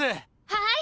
はい。